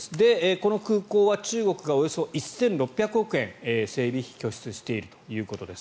この空港は中国がおよそ１６００億円整備費を拠出しているということです。